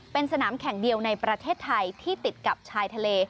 เป็นสนามแข่งเดียวในประเทศไทยที่ติดกับชายทะเล